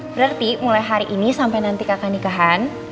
berarti mulai hari ini sampai nanti kakak nikahan